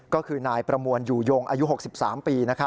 ก็คือนายประมวลอยู่ยงอายุ๖๓ปี